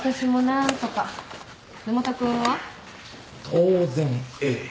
当然Ａ。